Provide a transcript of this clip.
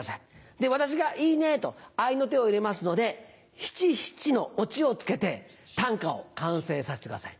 で私が「いいね」と合いの手を入れますので七・七のオチをつけて短歌を完成させてください。